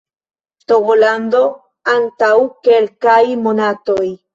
Togolando antaŭ kelkaj monatoj